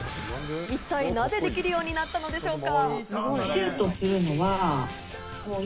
一体なぜできるようになったのでしょうか？